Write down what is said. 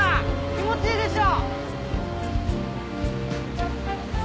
気持ちいいでしょ？